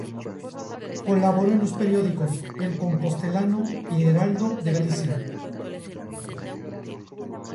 Colaboró en los periódicos "El Compostelano" y "Heraldo de Galicia".